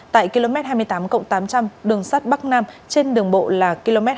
tại km hai mươi tám tám trăm linh đường sắt bắc nam trên đường bộ là km hai mươi